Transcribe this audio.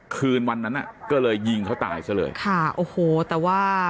คืนวันนั้นอ่ะก็เลยยิงเขาตายซะเลยค่ะโอ้โหแต่ว่า